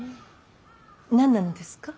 何なのですか。